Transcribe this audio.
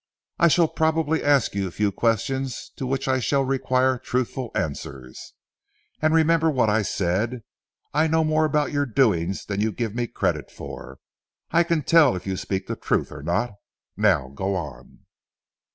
I shall probably ask you a few questions to which I shall require truthful answers. And remember what I said. I know more about your doings than you give me credit for. I can tell if you speak the truth or not. Now go on."